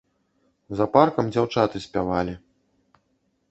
За паркам дзяўчаты спявалі.